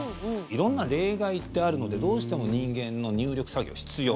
色んな例外ってあるのでどうしても人間の入力作業、必要。